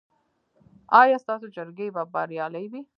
ایا ستاسو جرګې به بریالۍ وي؟